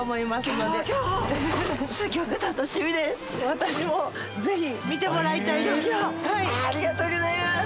私もぜひ見てもらいたいです。